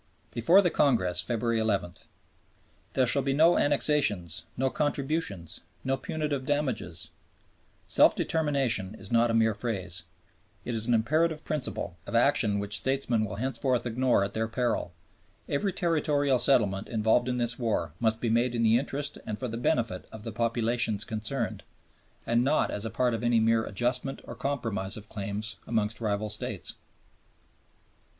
Before the Congress, February 11. "There shall be no annexations, no contributions, no punitive damages.... Self determination is not a mere phrase. It is an imperative principle of action which statesmen will henceforth ignore at their peril.... Every territorial settlement involved in this war must be made in the interest and for the benefit of the populations concerned, and not as a part of any mere adjustment or compromise of claims amongst rival States."